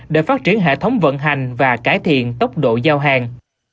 để phát triển hệ thống vận hành và cải thiện tốc độ giao hàng